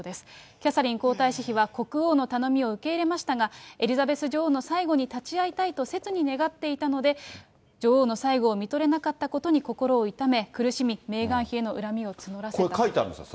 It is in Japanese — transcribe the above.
キャサリン皇太子妃は国王の頼みを受け入れましたが、エリザベス女王の最後に立ち会いたいと切に願っていたので、女王の最後をみとれなかったことに心を痛め、苦しみ、メーガン妃これ、書いてあるんですか？